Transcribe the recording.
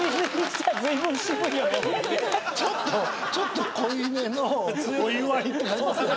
ちょっとちょっと濃いめのお湯割りって感じだったよね。